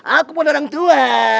aku pun orang tua